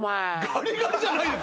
ガリガリじゃないですよ。